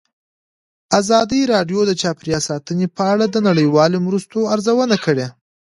ازادي راډیو د چاپیریال ساتنه په اړه د نړیوالو مرستو ارزونه کړې.